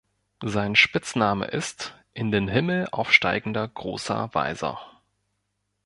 Sein Spitzname ist „In den Himmel Aufsteigender Großer Weiser“.